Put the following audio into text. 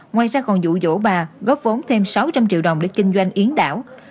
ngoài ra còn dụ dỗ bà góp vốn thêm sáu trăm linh triệu đồng để kinh doanh yến đảo